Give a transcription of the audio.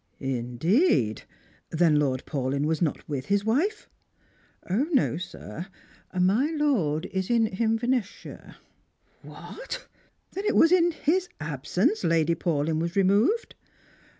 " Indeed ! Then Lord Paulyn was not with his wife?" " No, sir. My lord is in Invernesshire." " What! Then it was in his absence Lady Paulyn was re moved?"